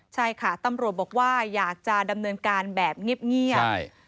ใช่ค่ะตำรวจบอกว่าอยากจะดำเนินการแบบเงียบ